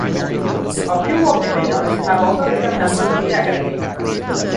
A few of the winners have also become members of the Academy.